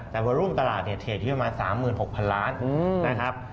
แต่ว่ารุ่มตลาดเทรดที่ประมาณ๓๖๐๐๐ล้านนะครับ